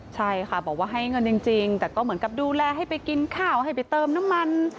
ใช่ค่ะบอกว่าให้เงินจริงแต่ก็เหมือนกับดูแลให้ไปกินข้าวให้ไปเติมน้ำมัน